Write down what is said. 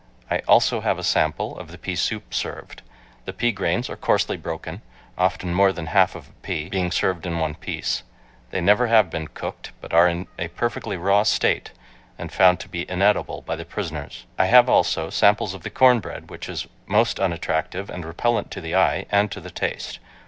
I also have a sample of the pea soup served. The pea grains are coarsely broken, often more than half of a pea, being served in one piece. They never have been cooked, but are in a perfectly raw state, and found to be inedible by the prisoners. I have also samples of the corn bread which is most unattractive and repellant to the eye and to the taste.